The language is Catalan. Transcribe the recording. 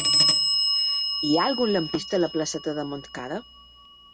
Hi ha algun lampista a la placeta de Montcada?